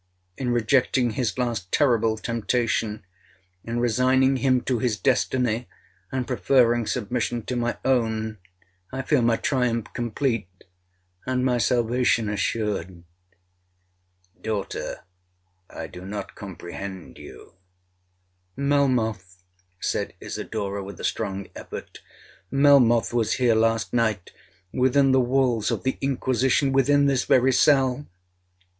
In rejecting his last terrible temptation—in resigning him to his destiny, and preferring submission to my own, I feel my triumph complete, and my salvation assured.'—'Daughter, I do not comprehend you,'—'Melmoth,' said Isidora, with a strong effort, 'Melmoth was here last night—within the walls of the Inquisition—within this very cell!'